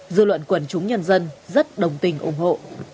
dư luận quần chúng nhân dân rất đồng tình ủng hộ